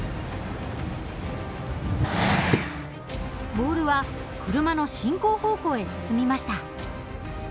ボールは車の進行方向へ進みました。